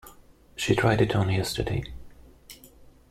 She tried it on yesterday.